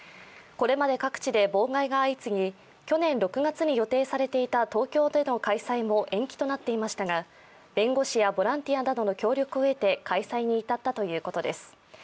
これまで各地で妨害が相次ぎ去年６月に予定されていた東京での開催も延期となっていましたが、弁護士やボランティアなどの協力を得て開催に至ったということです。